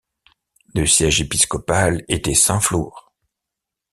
Le siège épiscopal était Saint-Flour.